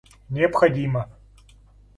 необходимо